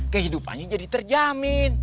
kehidupannya jadi terjamin